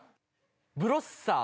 ブロッサー。